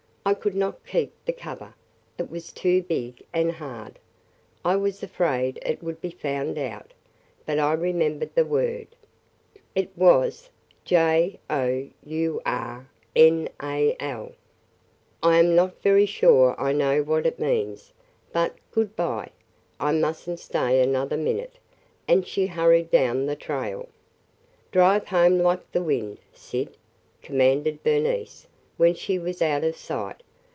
I could not keep the cover. It was too big – and hard. I was afraid it would be found out. But I remembered the word. It was 'J O U R N A L,' I am not very sure I know what it means. But, good by! I must n't stay another minute!" And she hurried down the trail. "Drive home like the wind, Syd!" commanded Bernice when she was out of sight.